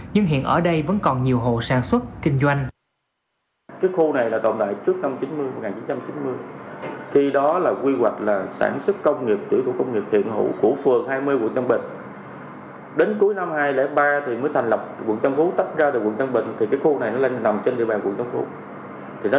nhưng hiện ở đây bởi các doanh nghiệp sản xuất đã di dời đi nơi khác sau khu dân cư nhưng hiện ở đây bởi các